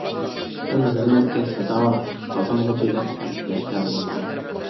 ئۇنى ھۆرمەتكە سازاۋەر ئۇتۇق قازانغۇچى، دەپ تەرىپلەشكە بولىدۇ.